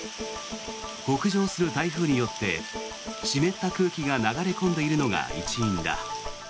北上する台風によって湿った空気が流れ込んでいるのが一因だ。